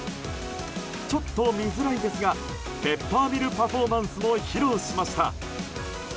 ちょっと見づらいですがペッパーミルパフォーマンスも披露しました。